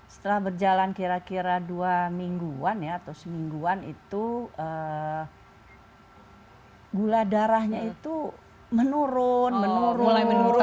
setelah berjalan kira kira dua mingguan ya atau semingguan itu gula darahnya itu menurun menurun menurun